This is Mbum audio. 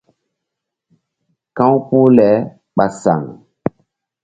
Ka̧w puh le ɓa saŋ.